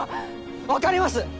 分かります！